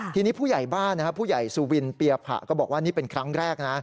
ทีนี้ผู้ใหญ่บ้านผู้ใหญ่สุวินเปียผะก็บอกว่านี่เป็นครั้งแรกนะ